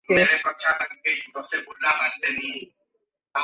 Se puede dar un diagnóstico diferencial entre este y la fiebre de Zika.